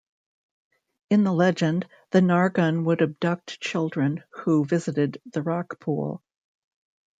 In the legend the Nargun would abduct children who visited the rockpool.